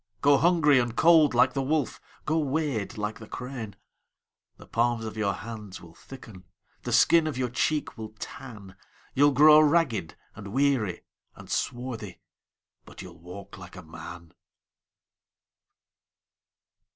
Go hungry and cold like the wolf, Go wade like the crane:The palms of your hands will thicken, The skin of your cheek will tan, You 'll grow ragged and weary and swarthy, But you 'll walk like a man!